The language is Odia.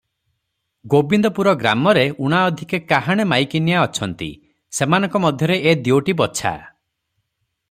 ଗୋବିନ୍ଦପୁର ଗ୍ରାମରେ ଊଣା ଅଧିକେ କାହାଣେ ମାଈକିନିଆ ଅଛନ୍ତି, ସେମାନଙ୍କ ମଧ୍ୟରେ ଏ ଦିଓଟି ବଛା ।